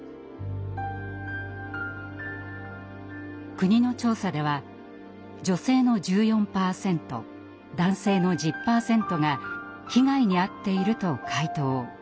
国の調査では女性の１４％男性の１０％が被害に遭っていると回答。